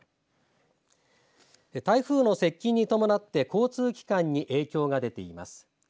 台風の接近に伴って交通機関に影響が出ています。